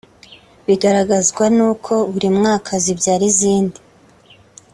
Bigaragazwa nuko buri mwaka zibyara izindi